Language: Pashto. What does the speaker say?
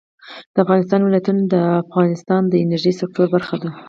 د افغانستان ولايتونه د افغانستان د انرژۍ سکتور برخه ده.